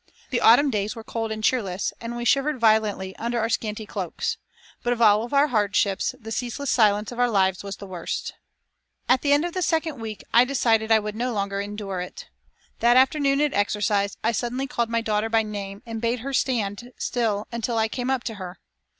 The autumn days were cold and cheerless, and we shivered violently under our scanty cloaks. But of all our hardships the ceaseless silence of our lives was worst. At the end of the second week I decided I would no longer endure it. That afternoon at exercise I suddenly called my daughter by name and bade her stand still until I came up to her.